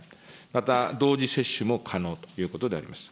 また、同時接種も可能ということであります。